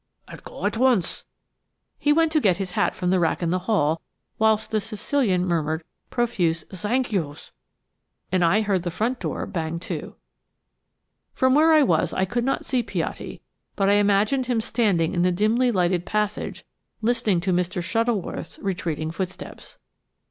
"I'll go at once." He went to get his hat from the rack in the hall whilst the Sicilian murmured profuse "Zank you's," and then I heard the front door bang to. From where I was I could not see Piatti, but I imagined him standing in the dimly lighted passage listening to Mr. Shuttleworth's retreating footsteps.